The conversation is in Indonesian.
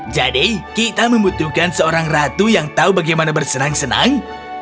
jadi kita membutuhkan seorang ratu yang tahu bagaimana bersenang senang